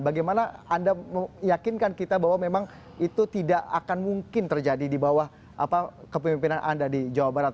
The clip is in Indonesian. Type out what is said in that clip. bagaimana anda meyakinkan kita bahwa memang itu tidak akan mungkin terjadi di bawah kepemimpinan anda di jawa barat